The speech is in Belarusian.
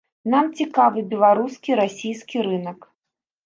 Нам цікавы беларускі, расійскі рынак.